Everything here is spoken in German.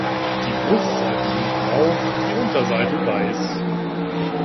Die Brustseiten sind grau, die Unterseite weiß.